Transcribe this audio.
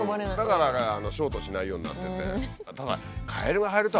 だからショートしないようになってて。